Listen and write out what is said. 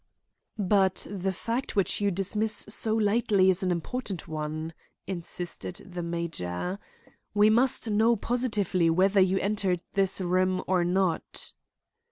"But the fact which you dismiss so lightly is an important one," insisted the major. "We must know positively whether you entered this room or not."